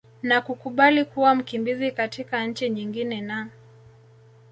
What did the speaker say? na kukubali kuwa mkimbizi katika nchi nyingine na